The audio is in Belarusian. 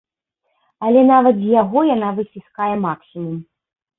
Але нават з яго яна выціскае максімум.